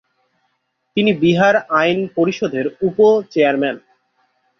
তিনি বিহার আইন পরিষদের উপ-চেয়ারম্যান।